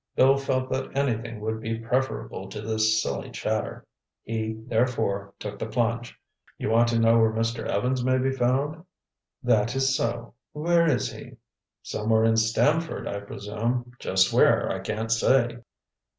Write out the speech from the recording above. Bill felt that anything would be preferable to this silly chatter. He, therefore, took the plunge. "You want to know where Mr. Evans may be found?" "That is so. Where is he?" "Somewhere in Stamford, I presume. Just where, I can't say."